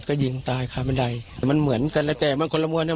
ก็ยิงตายคาบันไดแต่มันเหมือนกันแล้วแต่มันคนละม้วนอ่ะ